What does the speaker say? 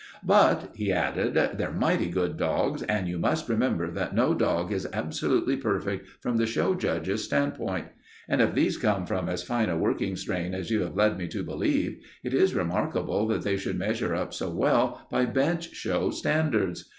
"But," he added, "they're mighty good dogs, and you must remember that no dog is absolutely perfect from the show judge's standpoint. And if these come from as fine a working strain as you have led me to believe, it is remarkable that they should measure up so well by bench show standards.